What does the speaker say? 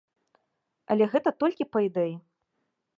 Але гэта толькі па ідэі.